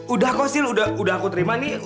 udah kok si sil udah aku terima nih